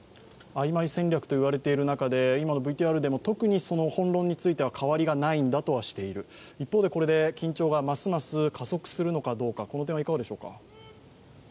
曖昧戦略と言われている中で特に本論については変わりがないんだとしている一方でこれで緊張がますます加速するのかどうか、この点はいかがでしょうか。